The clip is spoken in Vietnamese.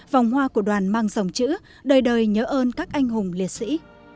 vòng hoa của đoàn mang dòng chữ đời đời nhớ ơn các anh hùng liệt sĩ